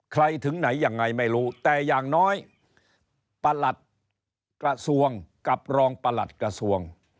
ถึงไหนยังไงไม่รู้แต่อย่างน้อยประหลัดกระทรวงกับรองประหลัดกระทรวง